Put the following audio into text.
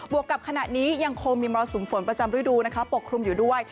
วกกับขณะนี้ยังคงมีมรสุมฝนประจำฤดูนะคะปกคลุมอยู่ด้วย